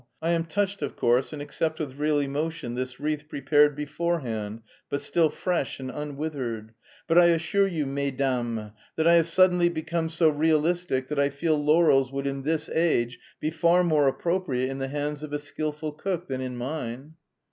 "I am touched, of course, and accept with real emotion this wreath prepared beforehand, but still fresh and unwithered, but I assure you, mesdames, that I have suddenly become so realistic that I feel laurels would in this age be far more appropriate in the hands of a skilful cook than in mine...."